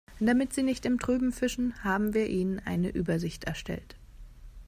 Damit Sie nicht im Trüben fischen, haben wir Ihnen eine Übersicht erstellt.